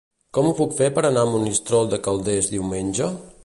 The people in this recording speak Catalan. Com ho puc fer per anar a Monistrol de Calders diumenge?